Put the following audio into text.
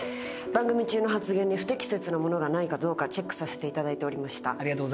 番組中の発言に不適切なものがないかどうかチェックさせていただいておりました。